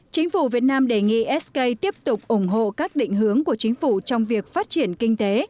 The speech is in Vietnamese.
chính phủ việt nam đề nghị sk tiếp tục ủng hộ các định hướng của chính phủ trong việc phát triển kinh tế